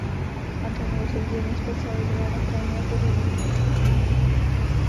Antonio se v dílně specializoval na krajiny a pozadí.